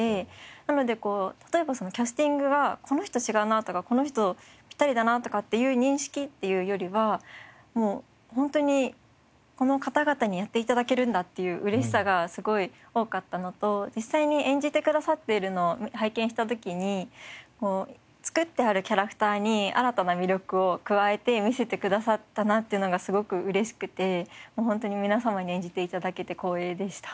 なので例えばキャスティングはこの人違うなとかこの人ピッタリだなとかっていう認識というよりはもう本当にこの方々にやって頂けるんだっていう嬉しさがすごい多かったのと実際に演じてくださっているのを拝見した時に作ってあるキャラクターに新たな魅力を加えて見せてくださったなっていうのがすごく嬉しくてもう本当に皆様に演じて頂けて光栄でした。